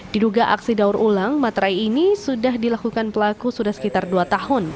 diduga aksi daur ulang materai ini sudah dilakukan pelaku sudah sekitar dua tahun